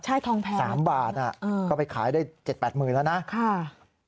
ใช่ทองแผน๓บาทก็ไปขายได้๗๘หมื่นบาทแล้วนะ